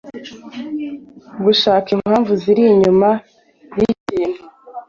gushaka impamvu ziri inyuma y’ikintu.